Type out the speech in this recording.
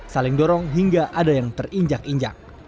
saling dorong hingga ada yang terinjak injak